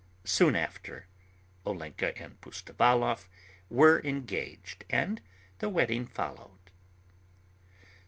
Soon after, Olenka and Pustovalov were engaged, and the wedding followed.